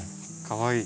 かわいい。